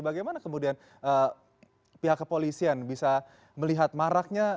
bagaimana kemudian pihak kepolisian bisa melihat maraknya